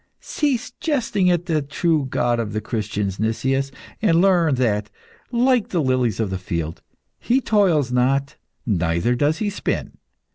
Cease jesting at the true God of the Christians, Nicias, and learn that, like the lilies of the field, He toils not, neither does He spin.